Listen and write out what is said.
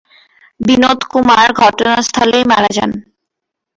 বিনোদ কুমার ঘটনাস্থলেই মারা যান।